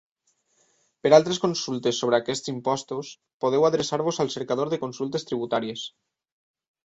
Per altres consultes sobre aquests impostos podeu adreçar-vos al Cercador de consultes tributàries.